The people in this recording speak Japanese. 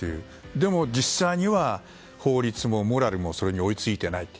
でも、実際には法律もモラルもそれに追いついていない。